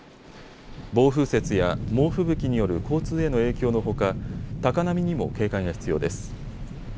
暴風雪や猛吹雪による交通への影響のほか高波にも警戒が必要です。